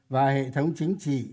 và hệ thống chính trị